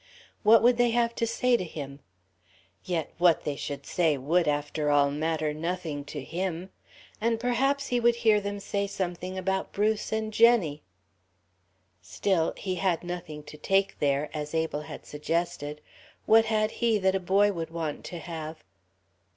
What would they have to say to him? Yet what they should say would, after all, matter nothing to him ... and perhaps he would hear them say something about Bruce and Jenny. Still, he had nothing to take there, as Abel had suggested. What had he that a boy would want to have?